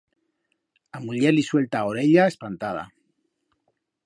A muller li suelta a orella espantada.